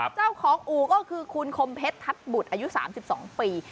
เจ้าของอู่ก็คือคุณคมเพชรทัศน์บุตรอายุ๓๒ปี